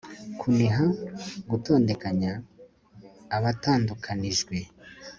kuniha, gutondekanya abatandukanijwe